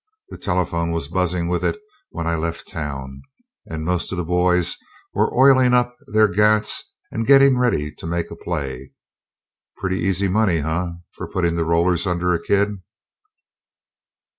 The telephone was buzzing with it when I left town, and most of the boys were oiling up their gats and getting ready to make a play. Pretty easy money, eh, for putting the rollers under a kid?"